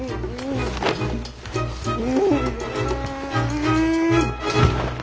うん！